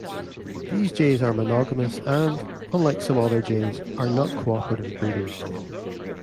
These jays are monogamous and, unlike some other jays, are not cooperative breeders.